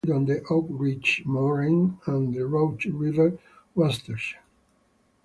The community is located on the Oak Ridges Moraine and the Rouge River watershed.